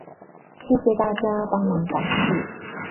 謝謝大家幫忙打字